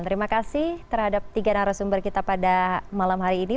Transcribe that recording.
terima kasih terhadap tiga narasumber kita pada malam hari ini